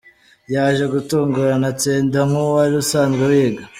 Yaje gutungurana atsinda nk’uwari usanzwe wiga.